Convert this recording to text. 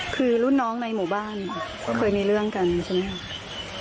คือรุ่นน้องในหมู่บ้านก็เคยมีเรื่องกันใช่ไหมครับ